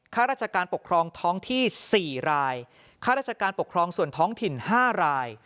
ข้าราชการปกครองท้องที่๔รายค่าราชการปกครองส่วนท้องถิ่น๕ราย